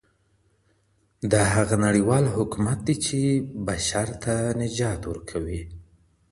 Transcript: دا هغه نړيوال حکومت دی چي بشر ته نجات ورکوي.